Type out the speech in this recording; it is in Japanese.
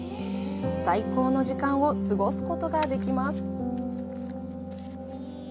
最高の時間を過ごすことができます。